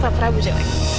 suka prabu cewek